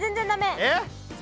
えっ？